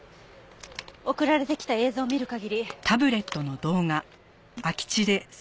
送られてきた映像を見る限り。